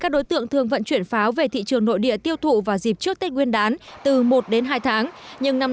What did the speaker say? các đối tượng thường vận chuyển pháo về thị trường nội địa tiêu thụ vào dịp trước tết nguyên đán từ một đến hai tháng